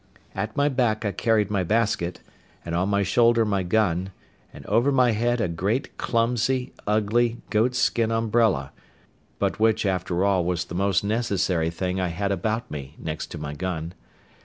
At my back I carried my basket, and on my shoulder my gun, and over my head a great clumsy, ugly, goat's skin umbrella, but which, after all, was the most necessary thing I had about me next to my gun.